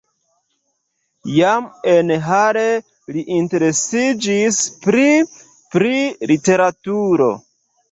Jam en Halle li interesiĝis pli pri literaturo.